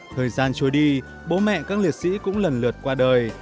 thời gian trôi đi bố mẹ các liệt sĩ cũng lần lượt qua đời